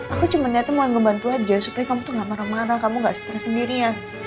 aku cuma lihatnya mau ngebantu aja supaya kamu tuh gak marah marah kamu gak stres sendirian